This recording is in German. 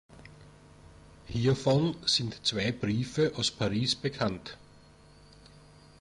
Hiervon sind zwei Briefe aus Paris bekannt.